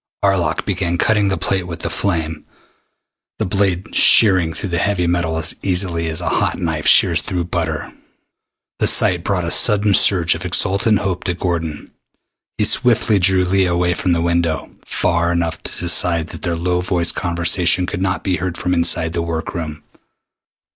Arlok began cutting the plate with the flame, the blade shearing through the heavy metal as easily as a hot knife shears through butter. The sight brought a sudden surge of exultant hope to Gordon. He swiftly drew Leah away from the window, far enough to the side that their low voiced conversation could not be heard from inside the work room.